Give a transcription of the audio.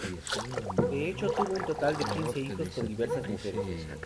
De hecho, tuvo un total de quince hijos con diversas mujeres.